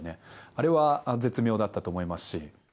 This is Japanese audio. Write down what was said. あれは絶妙だったと思いますし。